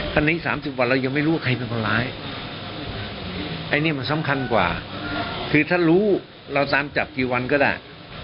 ตอนนี้๓๐วันเรายังไม่รู้ว่าใครเป็นคนร้ายอันนี้มันสำคัญกว่าคือถ้ารู้เราตามจับกี่วันก็ได้